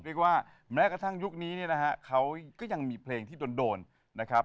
เรียกว่าแม้กระทั่งยุคนี้นะครับเขาก็ยังมีเพลงที่โดนนะครับ